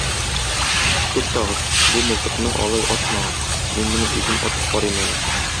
Туктагыз, бу мылтыкны алай атмагыз, мин моны үзем атып карыйм әле.